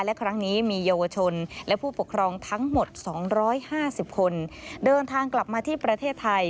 และครั้งนี้มีเยาวชนและผู้ปกครองทั้งหมด๒๕๐คนเดินทางกลับมาที่ประเทศไทย